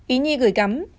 ý nhi gửi gắm